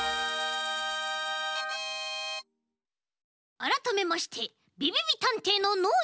あらためましてびびびたんていのノージーです。